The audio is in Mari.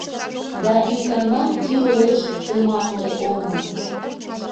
Да икана кӱрлеш тыматле омым.